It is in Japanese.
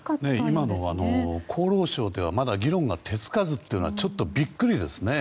今の厚労省ではまだ議論が手付かずというのはちょっとビックリですね。